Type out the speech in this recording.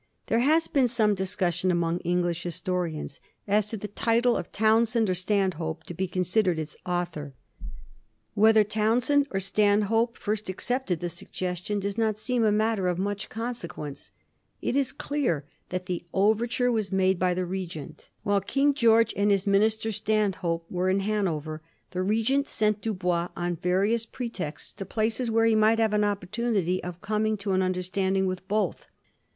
There has been some discussion among English historians as to the title of Townshend or of Stanhope to be considered its author. Whether Digiti zed by Google 1716. DUBOIS. 205 Townshend or Stanhope first accepted the suggestion does not seem a matter of much consequence. It is dear that the overture was made by the Regent. While King George and his minister Stanhope were in Hanover, the Regent sent Dubois, on various pre texts, to places where he might have an opportunity of coming to an understanding with both.